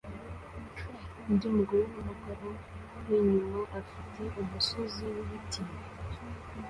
undi mugore numugabo winyuma afite umusozi wibiti